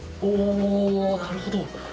なるほど。